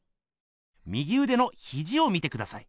右うでのひじを見てください。